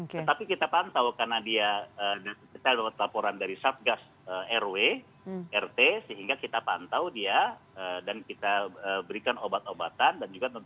tetapi kita pantau karena dia kita dapat laporan dari satgas rw rt sehingga kita pantau dia dan kita berikan obat obatan dan juga tentunya obat obatan yang mereka dapat